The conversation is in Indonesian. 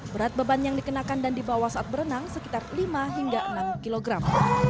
berat beban yang dikenakan dan dibawa saat berenang sekitar lima hingga enam kilogram